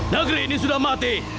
negeri ini sudah mati